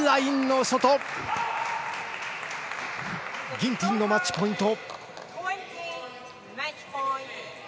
ギンティンのマッチポイント。